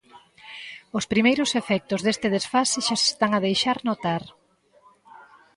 Os primeiros efectos deste desfase xa se están a deixar notar.